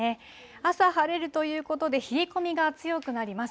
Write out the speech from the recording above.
朝晴れるということで、冷え込みが強くなります。